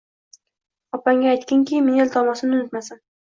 Opangga aytginki, meni iltimosimni unutmasin!